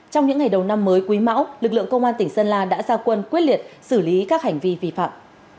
trong những ngày đầu năm mới quý mão lực lượng công an tỉnh sơn la đã ra quân quyết liệt xử lý các hành vi vi phạm